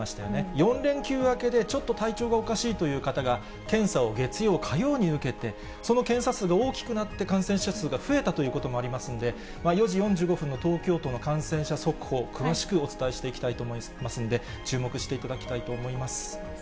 ４連休明けでちょっと体調がおかしいという方が、検査を月曜、火曜に受けて、その検査数が大きくなって、感染者数が増えたということもありますんで、４時４５分の東京都の感染者速報、お伝えしていきたいと思いますんで、注目していただきたいと思います。